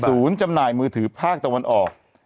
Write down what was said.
จำหน่ายมือถือภาคตะวันออก